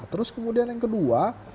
terus kemudian yang kedua